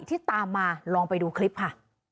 ที่ตามมาลองไปดูคลิปค่ะ